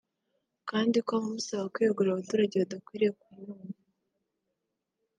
kandi ko abamusaba kwegura abaturage badakwiriye kubumva